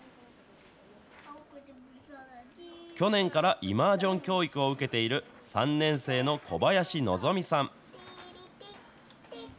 去年からイマージョン教育を受けている３年生の小林希望さん。